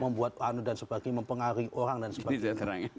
membuat anu dan sebagainya mempengaruhi orang dan sebagainya